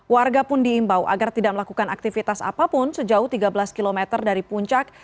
warga pun diimbau agar tidak melakukan aktivitas apapun sejauh tiga belas km dari puncak